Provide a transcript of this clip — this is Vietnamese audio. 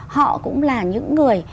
họ cũng là những người